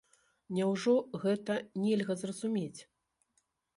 Няўжо гэта нельга зразумець?